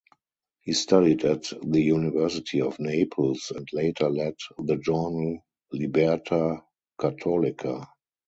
He studied at the University of Naples and later led the journal "Liberta cattolica".